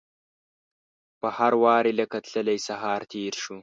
په هر واري لکه تللی سهار تیر شو